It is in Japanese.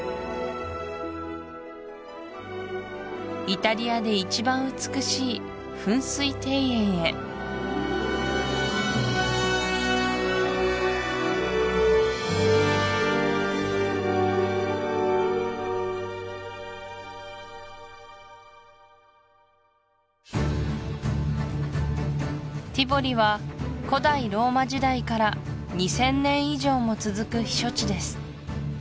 イタリアで一番美しい噴水庭園へティヴォリは古代ローマ時代から２０００年以上も続く避暑地です